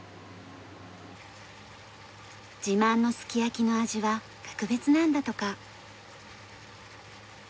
自慢のすき焼きの味は格別なんだとか。